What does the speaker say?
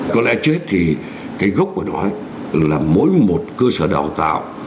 có lẽ trước hết thì cái gốc của nó là mỗi một cơ sở đào tạo